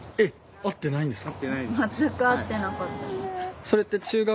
会ってないですね。